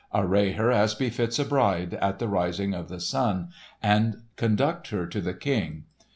"Array her as befits a bride, at the rising of the sun, and conduct her to the King.